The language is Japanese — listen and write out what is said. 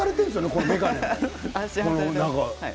この眼鏡。